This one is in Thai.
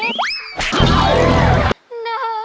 ซิ้งทุกวันนี้